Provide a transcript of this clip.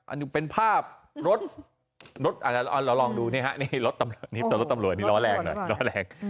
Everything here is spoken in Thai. อันนี้เป็นภาพรถเราลองดูนี่ฮะรถตำรวจรถตำรวจนี่ร้อนแรงหน่อย